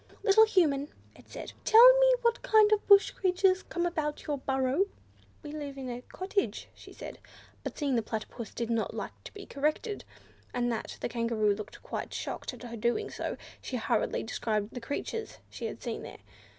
"Little Human," it said, "tell me what kind of bush creatures come about your burrow." "We live in a cottage," she said, but seeing that the Platypus did not like to be corrected, and that the Kangaroo looked quite shocked at her doing so, she hurriedly described the creatures she had seen there.